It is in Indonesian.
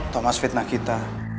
thomas fitnah kita